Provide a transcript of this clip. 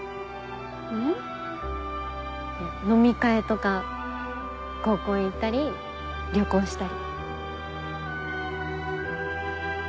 ん？飲み会とか合コン行ったり旅行したり。